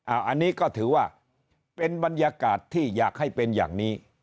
อันนี้ก็ถือว่าเป็นบรรยากาศที่อยากให้เป็นอย่างนี้